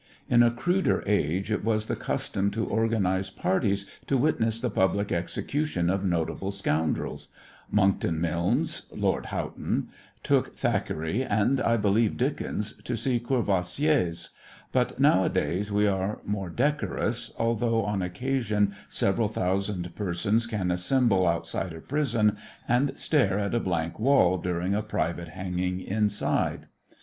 In a cruder age it was the custom to organize parties to witness the public execution of notable scoundrels Monckton Milnes (Lord Houghton) took Thackeray and, I believe, Dickens, to see Courvoisier's but nowadays we are more decorous, although on occasion several thousand persons can assemble outside a prison and stare at a blank wall during a private hanging inside.